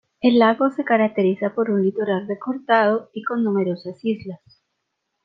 El lago se caracteriza por un litoral recortado y con numerosas islas.